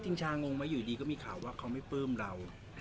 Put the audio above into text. ทิ้งชางงมาอยู่ดีก็มีข่าวว่าเขาไม่เปิ้มเรา